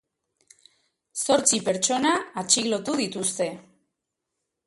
Zortzi pertsona atxilotu dituzte.